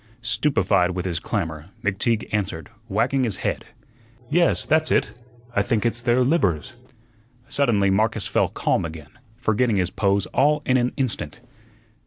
Stupefied with his clamor, McTeague answered, wagging his head: "Yes, that's it; I think it's their livers." Suddenly Marcus fell calm again, forgetting his pose all in an instant.